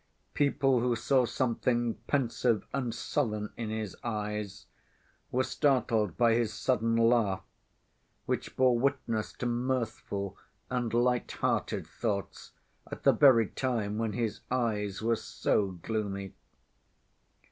People who saw something pensive and sullen in his eyes were startled by his sudden laugh, which bore witness to mirthful and light‐ hearted thoughts at the very time when his eyes were so gloomy.